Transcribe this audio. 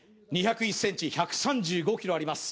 阿見２０１２０１ｃｍ１３５ｋｇあります